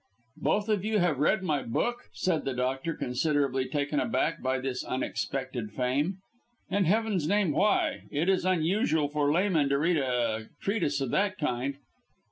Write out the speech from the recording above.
"Both of you have read my book?" said the doctor, considerably taken aback by this unexpected fame. "In Heaven's name why? It is unusual for laymen to read a treatise of that kind."